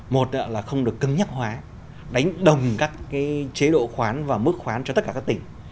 một là không được cứng nhắc hóa đánh đồng các chế độ khoán và mức khoán cho tất cả các tỉnh